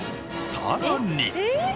さらに。